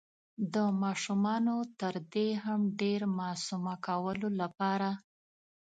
د ماشومانو تر دې هم ډير معصومه کولو لپاره